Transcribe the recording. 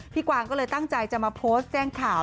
กวางก็เลยตั้งใจจะมาโพสต์แจ้งข่าว